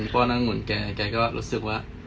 ป้อนอังุฬแกแกก็รู้สึกว่า